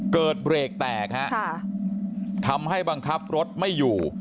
เกิดเบรกแตกฮะทำให้บังคับรถไม่อยู่